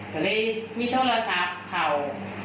ก็เลยมีโทรศัพท์เขา